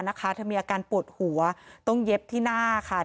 เธอมีอาการปวดหัวต้องเย็บที่หน้าค่ะ